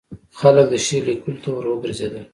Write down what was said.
خلک د شعر لیکلو ته وروګرځېدل.